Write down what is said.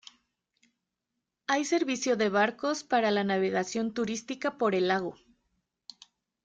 Hay servicio de barcos para la navegación turística por el lago.